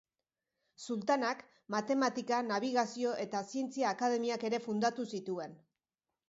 Sultanak Matematika-, Nabigazio- eta Zientzia-akademiak ere fundatu zituen.